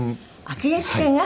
アキレス腱が？